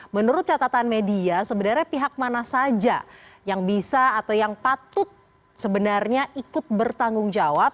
menurut catatan media sebenarnya pihak mana saja yang bisa atau yang patut sebenarnya ikut bertanggung jawab